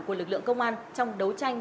của lực lượng công an trong đấu tranh